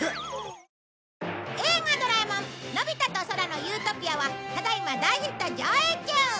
『映画ドラえもんのび太と空の理想郷』はただ今大ヒット上映中！